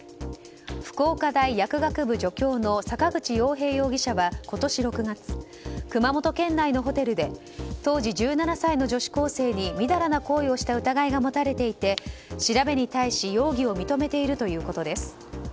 福岡大薬学部助教の坂口洋平容疑者は今年６月、熊本県内のホテルで当時１７歳の女子高生にみだらな行為をした疑いが持たれていて調べに対し容疑を認めているということです。